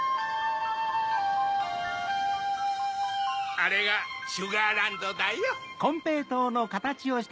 あれがシュガーランドだよ。